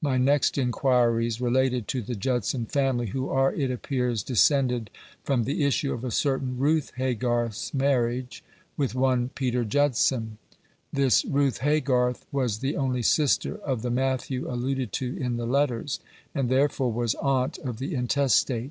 My next inquiries related to the Judson family, who are, it appears, descended from the issue of a certain Ruth Haygarth's marriage with one Peter Judson. This Ruth Haygarth was the only sister of the Matthew alluded to in the letters, and therefore was aunt of the intestate.